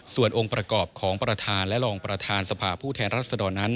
ส่วนองค์ประกอบของประธานและรองประธานสภาผู้แทนรัศดรนั้น